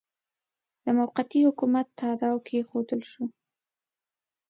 د موقتي حکومت تاداو کښېښودل شو.